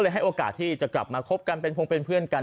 ก็เลยให้โอกาสที่จะกลับมาคบกันเป็นเพื่อนกัน